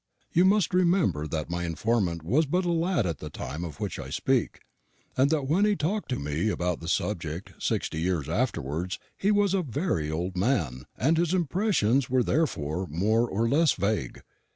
You must remember that my informant was but a lad at the time of which I speak, and that when he talked to me about the subject sixty years afterwards he was a very old man, and his impressions were therefore more or less vague.